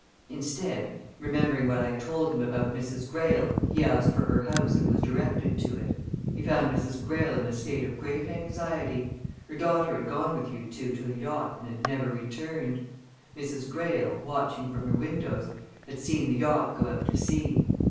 Instead, remembering what I'd told him about Mrs. Greyle he asked for her house and was directed to it. He found Mrs. Greyle in a state of great anxiety. Her daughter had gone with you two to the yacht and had never returned; Mrs. Greyle, watching from her windows, had seen the yacht go out to sea.